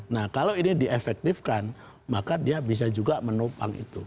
nah kalau ini diefektifkan maka dia bisa juga menopang itu